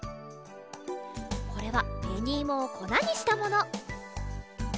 これはべにいもをこなにしたもの。